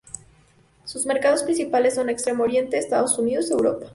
Sus mercados principales son Extremo Oriente, Estados Unidos y Europa.